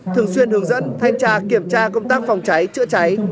thường xuyên hướng dẫn thanh tra kiểm tra công tác phòng cháy chữa cháy